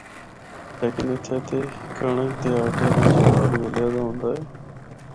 لیکن اتھا دی کنڑک دے آٹے بچ جوار ملیا دا ہوندا ہے۔